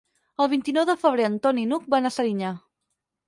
El vint-i-nou de febrer en Ton i n'Hug van a Serinyà.